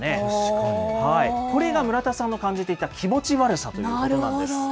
これが村田さんの感じていた気持ち悪さということなんです。